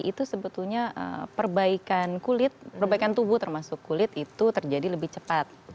itu sebetulnya perbaikan kulit perbaikan tubuh termasuk kulit itu terjadi lebih cepat